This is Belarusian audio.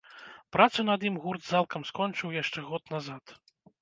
Працу над ім гурт цалкам скончыў яшчэ год назад.